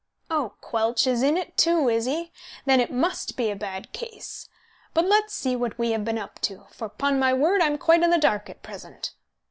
"Oh, Quelch is in it too, is he? Then it must be a bad case. But let's see what we have been up to, for, 'pon my word, I'm quite in the dark at present."